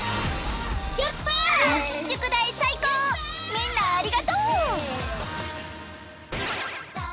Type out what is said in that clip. みんなありがとう。